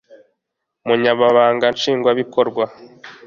umunyamabanga nshingwabikorwa